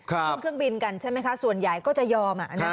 ขึ้นเครื่องบินกันใช่ไหมคะส่วนใหญ่ก็จะยอม